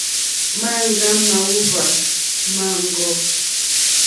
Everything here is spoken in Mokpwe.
Maŋga màòhva maŋgɔ.